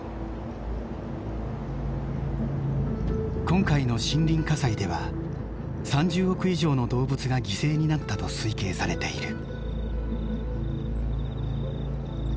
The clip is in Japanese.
今回の森林火災では３０億以上の動物が犠牲になったと推計されている。